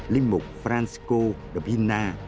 linh mục francisco de pina